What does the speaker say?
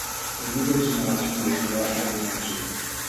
Une nouvelle génération de joueurs a émergé.